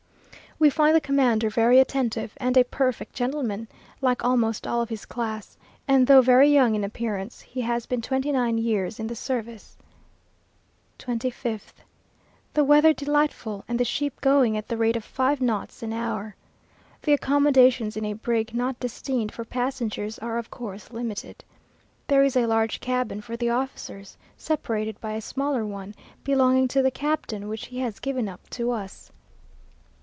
We find the commander very attentive, and a perfect gentleman, like almost all of his class, and though very young in appearance, he has been twenty nine years in the service. 25th. The weather delightful, and the ship going at the rate of five knots an hour. The accommodations in a brig not destined for passengers are of course limited. There is a large cabin for the officers, separated by a smaller one, belonging to the captain, which he has given up to us.